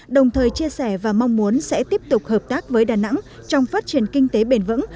đồng thời chia sẻ và mong muốn sẽ tiếp tục hợp tác với đà nẵng trong phát triển kinh tế bền vững